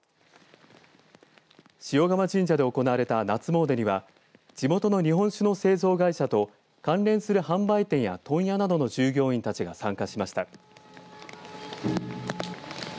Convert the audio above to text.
塩釜神社で行われた夏詣には地元の日本酒の製造会社と関連する販売店や問屋などの従業員たちが参加しました。